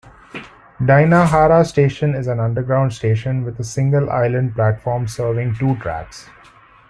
Dainohara Station is an underground station with a single island platform serving two tracks.